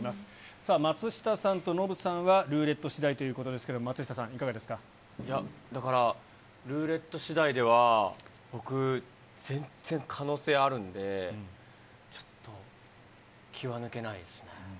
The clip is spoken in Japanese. さあ、松下さんとノブさんはルーレットしだいということですけれども、いや、だから、ルーレットしだいでは、僕、全然可能性あるんで、ちょっと気は抜けないですね。